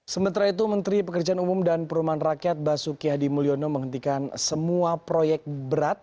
sementara itu menteri pekerjaan umum dan perumahan rakyat basuki hadi mulyono menghentikan semua proyek berat